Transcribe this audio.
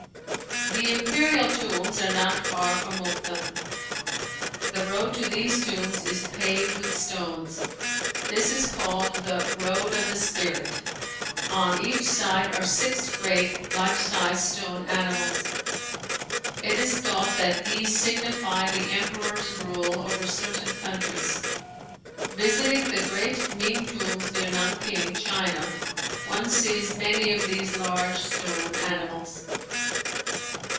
The Imperial Tombs are not far from Mukden. The road to these tombs is paved with stones. This is called the "Road of the Spirit." On each side are six great life sized stone animals. It is thought that these signify the Emperor's rule over certain countries. Visiting the great Ming Tombs near Nanking, China, one sees many of these large stone animals.